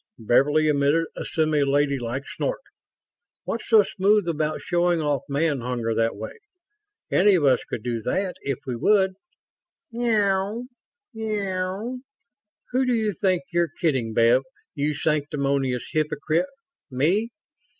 Beverly emitted a semi ladylike snort. "What's so smooth about showing off man hunger that way? Any of us could do that if we would." "Miaouw, miaouw. Who do you think you're kidding, Bev, you sanctimonious hypocrite me?